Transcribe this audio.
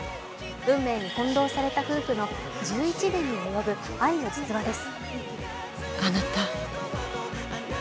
運命に翻弄された夫婦の１１年に及ぶ愛の実話です。